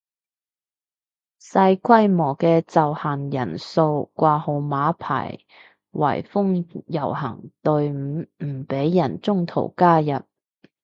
細規模嘅就限人數掛號碼牌圍封遊行隊伍唔俾人中途加入